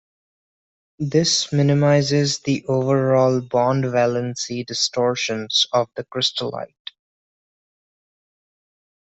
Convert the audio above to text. This minimizes the overall bond-valence distortions of the crystallite.